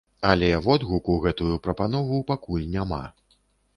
Але водгуку гэтую прапанову пакуль няма.